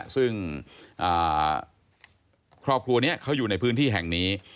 ซึ่งครอบครัวนี้เขาอยู่ในพื้นที่แห่งนี้